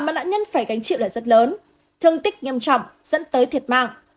mà nạn nhân phải gánh chịu là rất lớn thương tích nghiêm trọng dẫn tới thiệt mạng